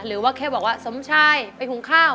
หรือว่าแค่บอกว่าสมชายไปหุงข้าว